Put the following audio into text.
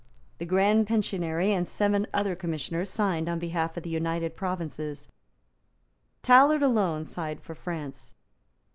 The Grand Pensionary and seven other Commissioners signed on behalf of the United Provinces. Tallard alone signed for France.